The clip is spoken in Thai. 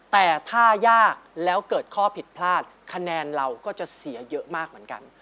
แต่ถ้ายากแล้วเกิดข้อผิดพลาดคะแนนเราก็จะเสียเยอะมากเหมือนกัน